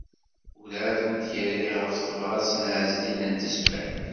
Werɛad ur d-yerri ɣef tebṛat n Ɛezdin n Tezmalt.